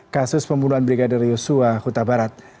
kasus pembunuhan brigadir yosua huta barat